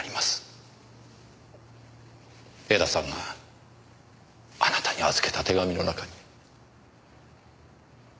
江田さんがあなたに預けた手紙の中に。